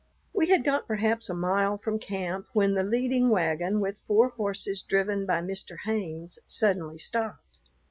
We had got perhaps a mile from camp when the leading wagon, with four horses driven by Mr. Haynes, suddenly stopped.